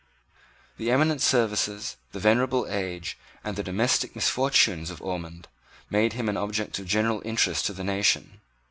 The eminent services, the venerable age, and the domestic misfortunes of Ormond made him an object of general interest to the nation.